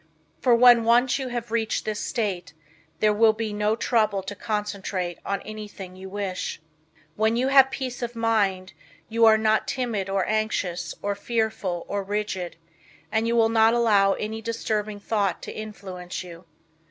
For when once you have reached this state there will be no trouble to concentrate on anything you wish. When you have peace of mind you are not timid or anxious, or fearful, or rigid and you will not allow any disturbing thought to influence you.